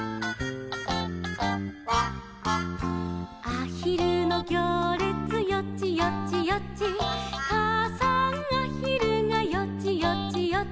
「あひるのぎょうれつよちよちよち」「かあさんあひるがよちよちよち」